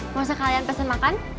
gak usah kalian pesen makan